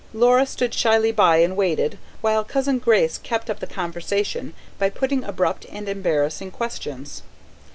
Laura stood shyly by and waited, while Cousin Grace kept up the conversation by putting abrupt and embarrassing questions.